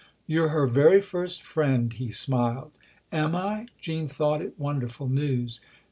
" You're her very first friend," he smiled. " Am I ?" Jean thought it wonderful news.